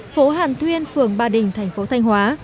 phố hàn thuyên phường ba đình thành phố thanh hóa